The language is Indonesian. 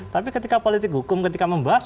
tapi ketika politik hukum ketika membahas